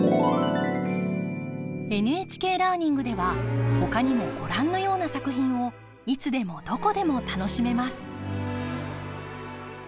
ＮＨＫラーニングではほかにもご覧のような作品をいつでもどこでも楽しめます！